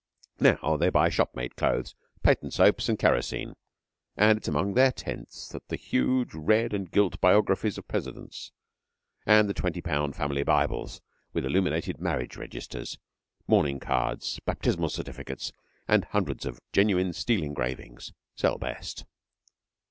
Now they buy shop made clothes, patent soaps, and kerosene; and it is among their tents that the huge red and gilt Biographies of Presidents, and the twenty pound family Bibles, with illuminated marriage registers, mourning cards, baptismal certificates, and hundreds of genuine steel engravings, sell best.